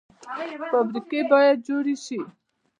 فابریکې باید جوړې شي